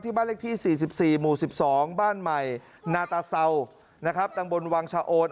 ที่บ้านเล็กที่๔๔หมู่๑๒บ้านใหม่นาตาเศร้าตังบลวังชะออน